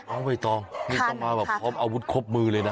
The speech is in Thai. ไม่ต้องนี่ก็ต้องมาแบบพบอาวุธคบมือเลยนะ